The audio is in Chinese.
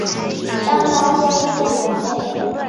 当高僧祖古内。